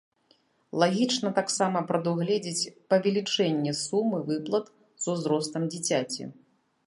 Лагічна таксама прадугледзець павелічэнне сумы выплат з узростам дзіцяці.